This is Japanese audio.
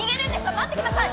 待ってください。